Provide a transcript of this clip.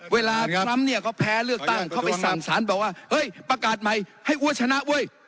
ทรัมป์เนี่ยเขาแพ้เลือกตั้งเขาไปสั่งสารบอกว่าเฮ้ยประกาศใหม่ให้อ้วชนะเว้ย